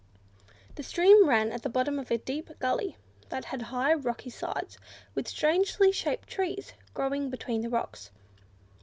The stream ran at the bottom of a deep gully, that had high rocky sides, with strangely shaped trees growing between the rocks.